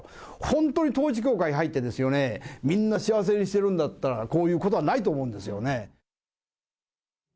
本当に統一教会に入ってですよね、みんな幸せにしてるんだったら、こういうことはないと思うんですよね。